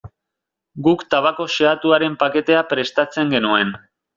Guk tabako xehatuaren paketea prestatzen genuen.